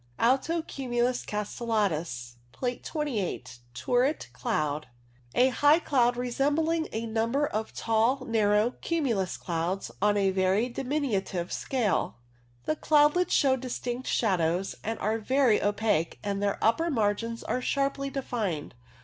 Alto cumulus castellatus (Plate 28). Turret cloud. STRATUS i6i A high cloud resembling a number of tall narrow cumulus clouds on a very diminutive scale. The cloudlets show distinct shadows, are very opaque, and their upper margins are sharply defined.